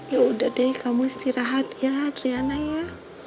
yaudah deh kamu istirahat ya adriana ya